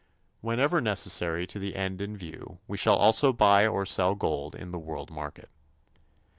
Whenever necessary to the end in view, we shall also buy or sell gold in the world market.